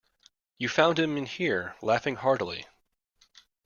You found him in here, laughing heartily.